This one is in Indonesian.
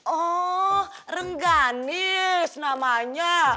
oh rengganis namanya